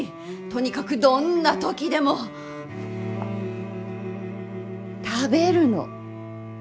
とにかくどんな時でも食べるの。